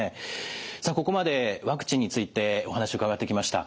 さあここまでワクチンについてお話伺ってきました。